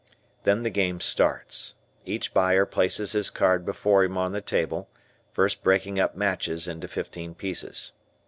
Then the game starts. Each buyer places his card before him on the table, first breaking up matches into fifteen pieces.